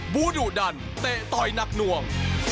บูดุดันเตะต่อยหนักหน่วง